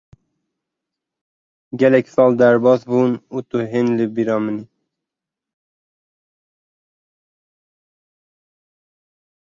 Gelek sal derbas bûn û tu hîn li bîra min î.